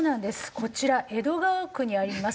こちら江戸川区にあります